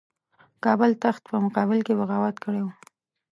کابل تخت په مقابل کې بغاوت کړی وو.